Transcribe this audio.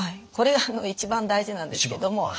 これがあの一番大事なんですけども。